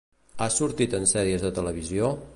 Ha sortit en sèries de televisió?